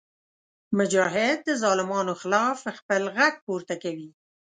مجاهد د ظالمانو خلاف خپل غږ پورته کوي.